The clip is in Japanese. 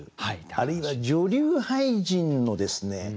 あるいは女流俳人のですね